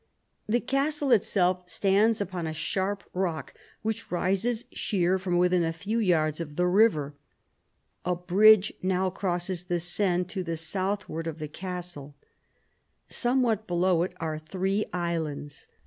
The castle itself stands upon a sharp rock which rises sheer from within a few yards of the river. A bridge now crosses the Seine to the southward of the castle. Somewhat below it are three islands.